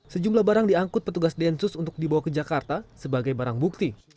sejumlah barang diangkut petugas densus untuk dibawa ke jakarta sebagai barang bukti